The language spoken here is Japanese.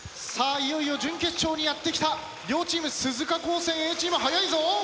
いよいよ準決勝にやって来た両チーム鈴鹿高専Ａチーム速いぞ。